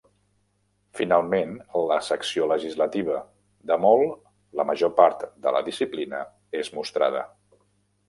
Finalment, la secció legislativa, de molt, la major part de la disciplina, és mostrada.